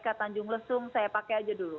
ke tanjung lesung saya pakai aja dulu